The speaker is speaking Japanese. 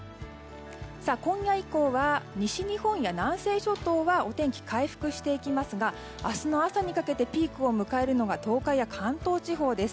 今夜以降は西日本や南西諸島はお天気、回復していきますが明日の朝にかけてピークを迎えるのが東海や関東地方です。